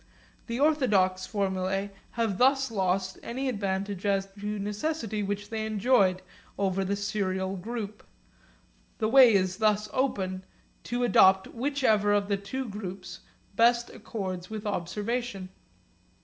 The orthodox formulae have thus lost any advantage as to necessity which they enjoyed over the serial group. The way is thus open to adopt whichever of the two groups best accords with observation.